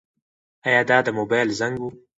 ایا دا د موبایل زنګ و؟